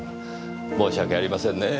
申し訳ありませんねぇ。